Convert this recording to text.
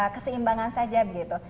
keseimbangan saja gitu